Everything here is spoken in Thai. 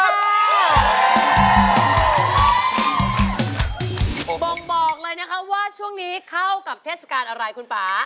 บ่งบอกเลยนะคะว่าช่วงนี้เข้ากับเทศกาลอะไรคุณป่า